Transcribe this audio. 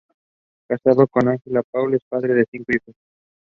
New Finland would have been established in Central Alaska around the Tanana River.